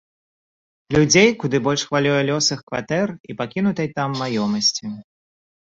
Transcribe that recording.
Людзей куды больш хвалюе лёс іх кватэр і пакінутай там маёмасці.